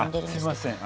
すいません。